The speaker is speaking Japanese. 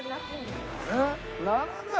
えっ？